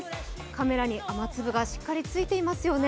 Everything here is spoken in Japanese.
カメラに雨粒がしっかりついていますよね。